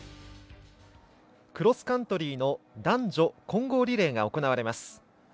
クロスカントリーの男女混合リレーが行われます。